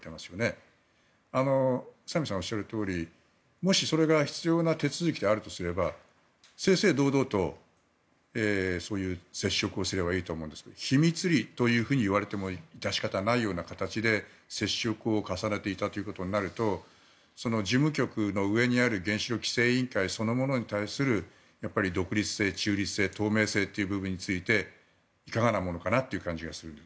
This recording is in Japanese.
宇佐美さんがおっしゃるとおりもしそれが必要な手続きであるとすれば正々堂々と接触をすればいいと思うんですが秘密裏というふうに言われても致し方ないような形で接触を重ねていたということになると事務局の上にある原子力規制委員会そのものに対する独立性、中立性、透明性という部分についていかがなものかなっていう感じがする。